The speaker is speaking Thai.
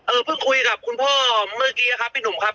เพิ่งคุยกับคุณพ่อเมื่อกี้นะครับพี่หนุ่มครับ